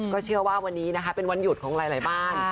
เชื่อว่าวันนี้นะคะเป็นวันหยุดของหลายบ้าน